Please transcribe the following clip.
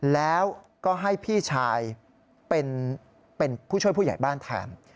แล้วก็ให้พี่ชายเป็นผู้ช่วยผู้ใหญ่บ้านแทน